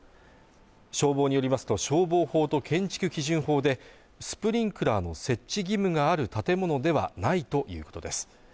消防によりますと消防法と建築基準法でスプリンクラーの設置義務がある建物ではないということです